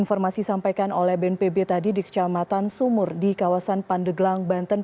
informasi sampaikan oleh bnpb tadi di kecamatan sumur di kawasan pandeglang banten